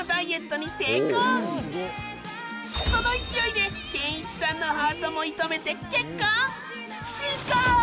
その勢いで謙一さんのハートも射止めて結婚！